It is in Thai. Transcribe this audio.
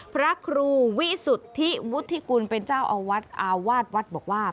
พระครูวิสุทธิวุฒิกุลเป็นเจ้าอาวาสอาวาสวัดบอกว่า